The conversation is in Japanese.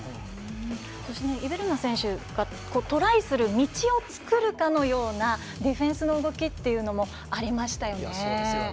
そして、イベルナ選手がトライする道を作るかのようなディフェンスの動きっていうのもありましたよね。